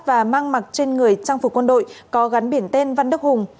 và mang mặc trên người trang phục quân đội có gắn biển tên văn đức hùng